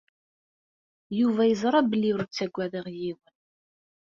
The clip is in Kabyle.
Yuba yeẓra belli ur ttaggadeɣ yiwen.